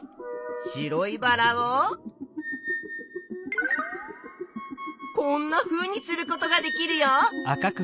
白いバラをこんなふうにすることができるよ！